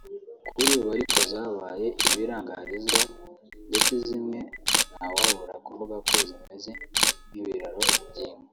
kuri ubu ariko zabaye ibirangarizwa ndetse zimwe nta wabura kuvuga ko zimeze nk’ibiraro by’inka